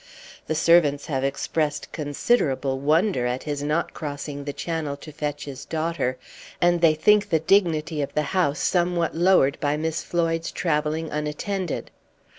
The servants have expressed considerable wonder at his not crossing the Channel to fetch his daughter, and they think the dignity of the house somewhat lowered by Miss Floyd's travelling unattended.